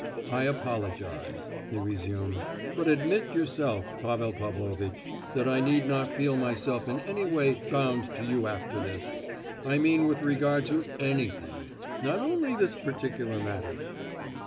"I apologise," he resumed; "but admit yourself, Pavel Pavlovitch, that I need not feel myself in any way bound to you after this. I mean with regard to anything—not only this particular matter."